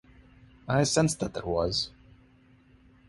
I sensed that there was.